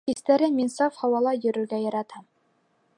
Кистәрен мин саф һауала йөрөргә яратам.